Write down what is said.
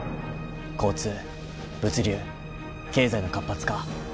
交通物流経済の活発化。